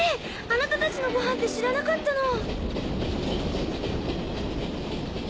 あなたたちのごはんって知らなかったの。